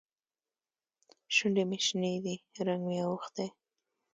شونډې مې شنې دي؛ رنګ مې اوښتی.